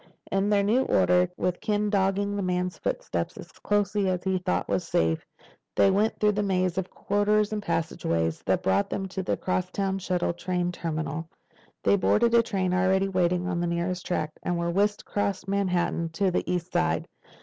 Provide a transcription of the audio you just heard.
In their new order, with Ken dogging the man's footsteps as closely as he thought was safe, they went through the maze of corridors and passageways that brought them to the crosstown shuttle train terminal. They boarded a train already waiting on the nearest track and were whisked across Manhattan to the east side.